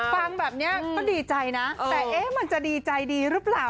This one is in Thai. ฟังแบบนี้ก็ดีใจนะแต่เอ๊ะมันจะดีใจดีหรือเปล่า